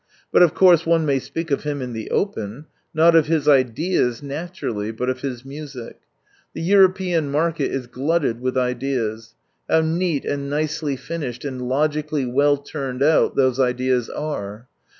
But of course one may speak of him in the open ; not of his ideas, naturally, but of his music. The European market is glutted with ideas. Ht)w neat and nicely finished and logically well turned out those ideas are.